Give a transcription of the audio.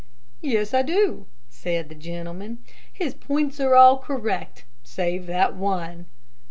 "Yes, I do," said the gentleman. "His points are all correct, save that one."